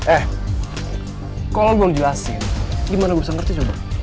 eh kalau lo belum jelasin gimana gue bisa ngerti coba